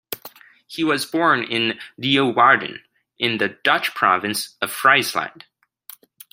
He was born in Leeuwarden, in the Dutch province of Friesland.